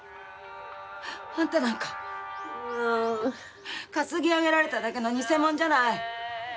あんたなんか担ぎ上げられただけの偽物じゃない！